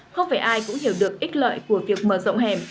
không phải ai cũng hiểu được ít lợi của việc mở rộng hẻm